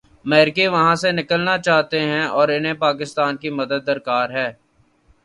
امریکی وہاں سے نکلنا چاہتے ہیں اور انہیں پاکستان کی مدد درکار ہے۔